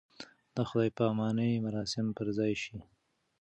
د خدای پامانۍ مراسم پر ځای شي.